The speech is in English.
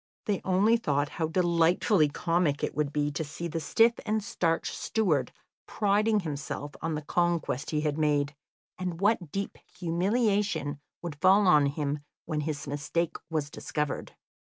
They only thought how delightfully comic it would be to see the stiff and starched steward priding himself on the conquest he had made, and what deep humiliation would fall on him when his mistake was discovered.